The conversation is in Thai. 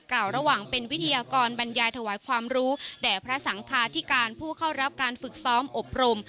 แก่งเป็นวิทยากรบัญญาธวายความรู้แด่พระสังคาธิการผู้เข้ารับการฝึกซ้อมอบรม